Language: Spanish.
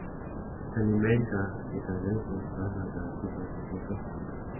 Se alimenta de cangrejos, ranas, lagartijas, insectos y frutas.